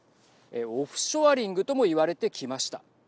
オフショアリングともいわれてきました。